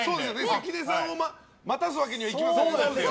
関根さんを待たすわけにはいかないので。